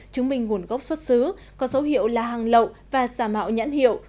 chứng minh nguồn gốc xuất xứ có dấu hiệu là hàng lậu và giả mạo nhãn hiệu